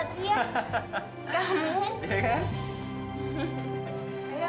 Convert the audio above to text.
makan yang banyak